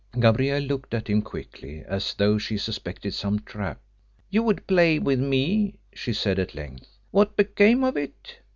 Gabrielle looked at him quickly as though she suspected some trap. "You would play with me," she said at length. "What became of it?